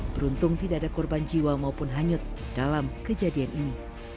beruntung tidak ada korban jiwa maupun hanyut dalam kejadian ini